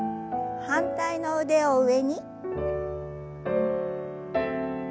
反対の腕を上に。